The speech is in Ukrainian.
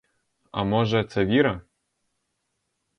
А може, це віра?